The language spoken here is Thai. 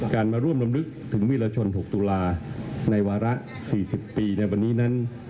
มาร่วมลำลึกถึงวิรชน๖ตุลาในวาระ๔๐ปีในวันนี้นั้น